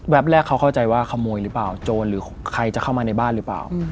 แรกเขาเข้าใจว่าขโมยหรือเปล่าโจรหรือใครจะเข้ามาในบ้านหรือเปล่า